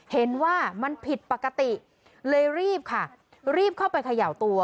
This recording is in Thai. เห็นว่ามันผิดปกติเลยรีบค่ะรีบเข้าไปเขย่าตัว